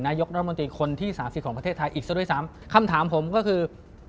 นายกรัฐมนตรีคนที่สามสิบของประเทศไทยอีกซะด้วยซ้ำคำถามผมก็คือ